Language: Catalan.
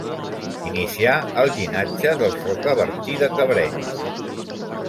Inicià el llinatge dels Rocabertí de Cabrenys.